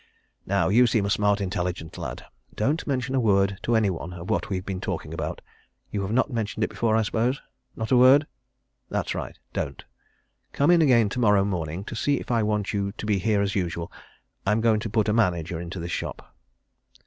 "Now you seem a smart, intelligent lad don't mention a word to any one of what we've been talking about. You have not mentioned it before, I suppose? Not a word? That's right don't. Come in again tomorrow morning to see if I want you to be here as usual. I'm going to put a manager into this shop."